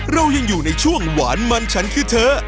เรายังอยู่ในช่วงหวานมันฉันคือเธอ